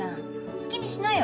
好きにしなよ。